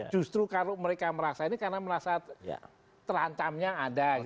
justru kalau mereka merasa ini karena merasa terancamnya ada